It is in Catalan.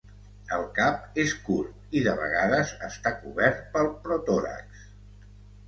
El cap és curt i de vegades està cobert pel protòrax.